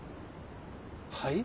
はい？